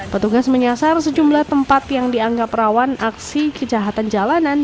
petugas menyasar sejumlah tempat yang dianggap rawan aksi kejahatan jalanan